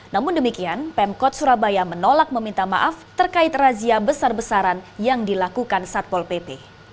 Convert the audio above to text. namun demikian pemkot surabaya menolak meminta maaf terkait razia besar besaran yang dilakukan satpol pp